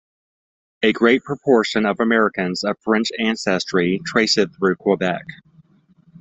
A great proportion of Americans of French ancestry trace it through Quebec.